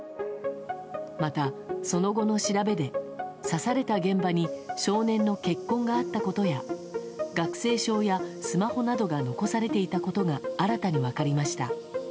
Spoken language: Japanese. また、その後の調べで刺された現場に少年の血痕があったことや学生証やスマホなどが残されていたことが新たに分かりました。